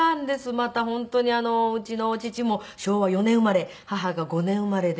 また本当にうちの父も昭和４年生まれ母が５年生まれで。